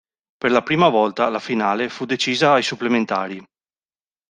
Per la prima volta la finale fu decisa ai supplementari.